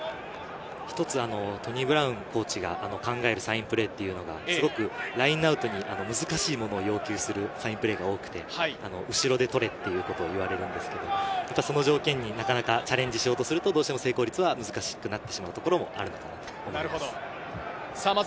一つトニー・ブラウンコーチが考えるサインプレーというのがすごくラインアウトに難しいものを要求するサインプレーが多くて、後ろで取れということを言われるんですけど、その条件になかなかチャレンジしようとすると、成功率は難しくなってしまうところもあると思います。